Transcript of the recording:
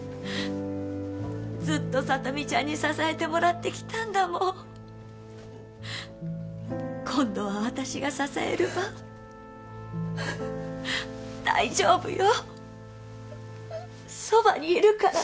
ずっと聡美ちゃんに支えてもらってきたんだもん今度は私が支える番大丈夫よ